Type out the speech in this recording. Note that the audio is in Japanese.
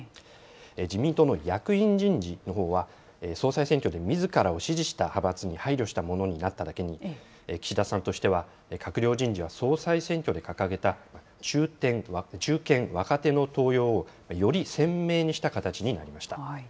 自民党の役員人事のほうは総裁選挙でみずからを支持した派閥に配慮したものになっただけに、岸田さんとしては、閣僚人事や総裁選挙で掲げた、中堅・若手の登用をより鮮明にした形になりました。